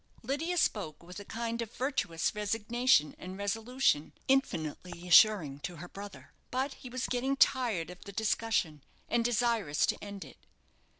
Lydia spoke with a kind of virtuous resignation and resolution, infinitely assuring to her brother. But he was getting tired of the discussion, and desirous to end it.